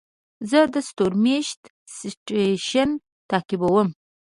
زه د ستورمېشت سټېشن تعقیبوم.